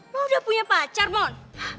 lo udah punya pacar mon